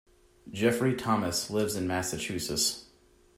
Jeffrey Thomas lives in Massachusetts.